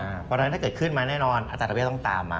เพราะฉะนั้นถ้าเกิดขึ้นมาแน่นอนอาจารย์เวทต้องตามมา